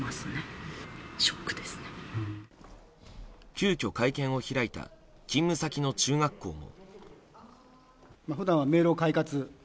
急きょ、会見を開いた勤務先の中学校も。